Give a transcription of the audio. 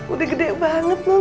udah gede banget neng